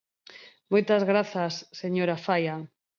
Moitas grazas, señora Faia.